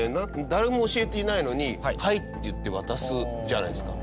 誰も教えていないのに「はい」っていって渡すじゃないですか。